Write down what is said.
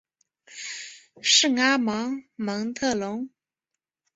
圣阿芒蒙特龙。